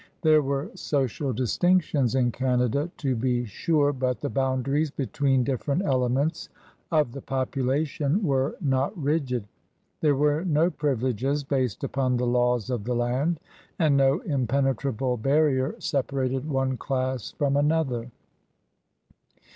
There were social distinc tions in Canada, to be sure, but the boundaries between different elements of the population were not rigid; there were no privileges based upon the laws of the land, and no impenetrable barrier sep arated one class from another.